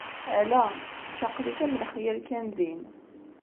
Ala... kečč aql-ik am lexyal kan din.